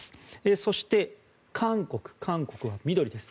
そして、韓国は緑です。